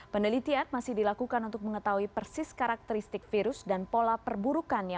penelitian masih dilakukan untuk mengetahui persis karakteristik virus dan pola perburukannya